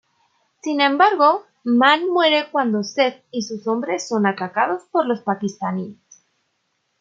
Sin embargo Manne muere cuando Seth y sus hombres son atacados por los paquistaníes.